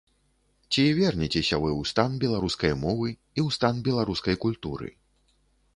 Ці вернецеся вы ў стан беларускай мовы і ў стан беларускай культуры?